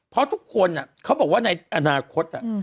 เพราะทุกคนเขาบอกว่าในอนาคต